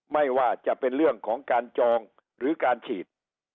ไม่ว่าจะเป็นเรื่องของการจองหรือการฉีด